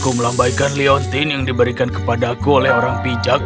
aku melambaikan leontin yang diberikan kepadaku oleh orang pijak